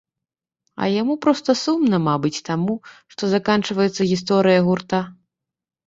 А яму проста сумна, мабыць, таму, што заканчваецца гісторыя гурта.